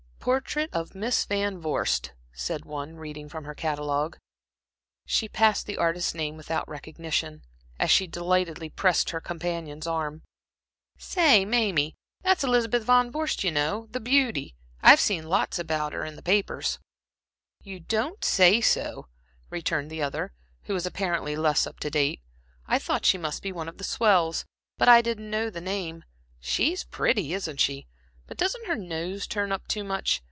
"Portrait of Miss Van Vorst," said one, reading from her catalogue, "by ." She passed the artist's name without recognition, as she delightedly pressed her companion's arm. "Say, Mamie, that's Elizabeth Van Vorst, you know, the beauty. I've seen lots about her in the papers." "You don't say so?" returned the other, who was apparently less up to date. "I thought she must be one of the swells, but I didn't know the name. She's pretty isn't she? but doesn't her nose turn up too much?